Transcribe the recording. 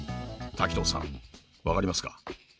滝藤さん分かりますか？